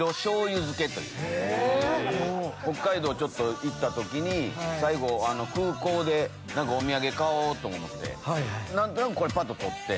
北海道行った時に最後空港で何かお土産買おうと思って何となくぱっと取って。